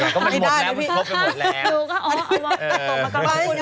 ก็มันหมดแล้วลบไปหมดแล้ว